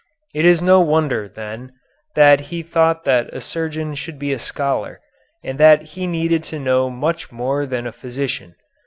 It is no wonder, then, that he thought that a surgeon should be a scholar, and that he needed to know much more than a physician.